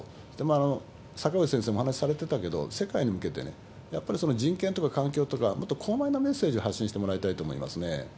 そしてさかぐち先生もお話しされてたけど、世界に向けてね、やっぱり人権とか環境とか、もっと高まいなメッセージを発信してもらいたいと思いますね。